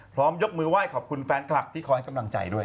ยกมือไหว้ขอบคุณแฟนคลับที่คอยให้กำลังใจด้วย